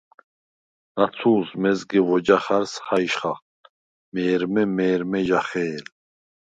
ნაცუ̄ლს მეზგე ვოჯახარს ხაჲშხახ მე̄რმე-მე̄რმე ჟახე̄ლ.